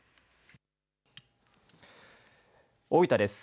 大分です。